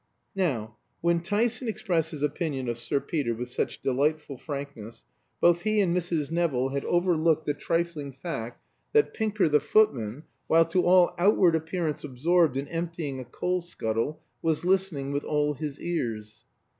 Now, when Tyson expressed his opinion of Sir Peter with such delightful frankness, both he and Mrs. Nevill had overlooked the trifling fact that Pinker, the footman, while to all outward appearance absorbed in emptying a coal scuttle, was listening with all his ears.